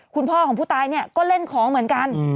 คุณพ่อของผู้ตายเนี่ยก็เล่นของเหมือนกัน